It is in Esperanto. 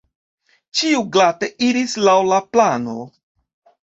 Ĉio glate iris laŭ la plano….